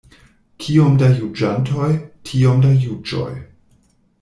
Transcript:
Kiom da juĝantoj, tiom da juĝoj.